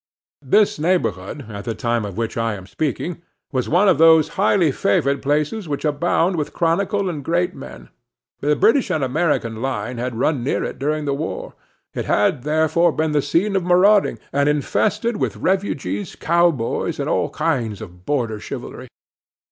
This neighborhood, at the time of which I am speaking, was one of those highly favored places which abound with chronicle and great men. The British and American line had run near it during the war; it had, therefore, been the scene of marauding and infested with refugees, cowboys, and all kinds of border chivalry.